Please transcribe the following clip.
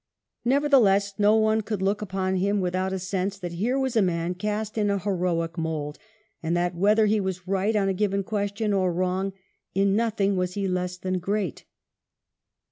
Nevertheless, no one could look upon him with out a sense that here was a man cast in an heroic mould, and that whether he was right on a given question or wrong, in nothing was he less than great.